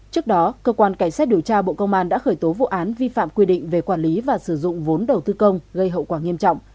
trước đó cơ quan cảnh sát điều tra bộ công an đã khởi tố vụ án vi phạm quy định về quản lý và sử dụng vốn đầu tư công gây hậu quả nghiêm trọng